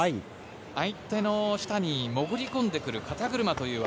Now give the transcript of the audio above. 相手の下に潜り込んでくる肩車という技。